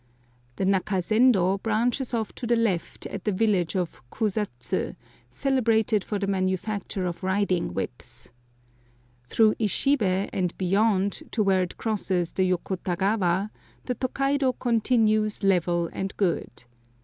The Nakasendo branches off to the left at the village of Kusa tsu, celebrated for the manufacture of riding whips. Through Ishibe and beyond, to where it crosses the Yokota gawa, the Tokaido continues level and good.